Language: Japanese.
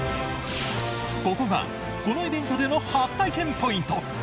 ここが、このイベントでの初体験ポイント